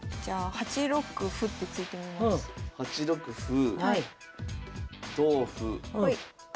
８六歩同歩。